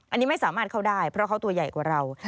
อันนี้ไม่สามารถเข้าได้เพราะเขาตัวใหญ่กว่าเรา